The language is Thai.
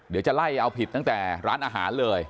เดี๋ยวจะไล่เอาผิดตั้งแต่ร้านอาหารเลย